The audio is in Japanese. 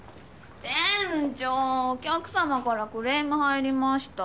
店長お客さまからクレーム入りました。